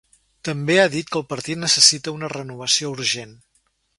També ha dit que el partit necessita una ‘renovació urgent’.